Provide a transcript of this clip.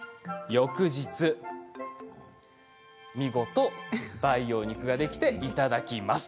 翌日、見事培養肉ができていただきます。